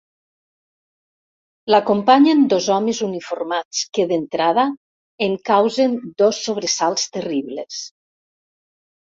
L'acompanyen dos homes uniformats que d'entrada em causen dos sobresalts terribles.